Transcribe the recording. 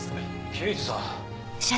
刑事さん。